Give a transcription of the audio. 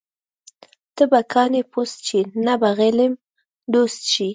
نه به کاڼې پوست شي، نه به غلیم دوست شي.